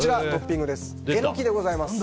エノキでございます。